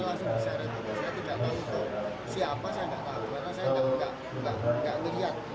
kumpul itu karena saya dalam posisi berdiri